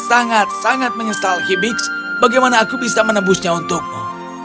sangat sangat menyesal hibis bagaimana aku bisa menembusnya untukmu